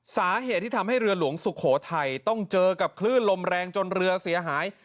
สาเหตุที่ทำให้เรือหลวงสุโขทัยต้องเจอกับคลื่นลมแรงจนเรือเสียหาย